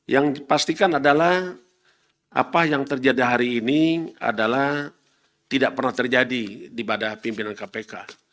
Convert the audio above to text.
yang dipastikan adalah apa yang terjadi hari ini adalah tidak pernah terjadi di badan pimpinan kpk